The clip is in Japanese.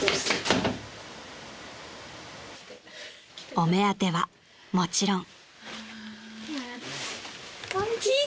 ［お目当てはもちろん］